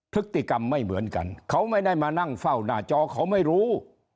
พฤติกรรมไม่เหมือนกันเขาไม่ได้มานั่งเฝ้าหน้าจอเขาไม่รู้